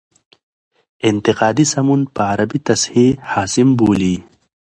انتقادي سمون په عربي تصحیح حاسم بولي.